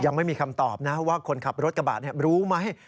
ยังไม่มีคำตอบนะว่าคนขับรถกระบะรู้ไหม